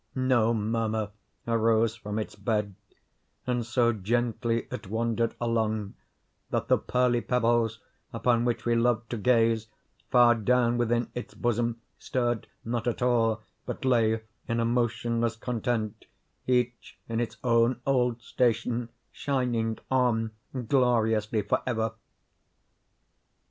No murmur arose from its bed, and so gently it wandered along, that the pearly pebbles upon which we loved to gaze, far down within its bosom, stirred not at all, but lay in a motionless content, each in its own old station, shining on gloriously forever.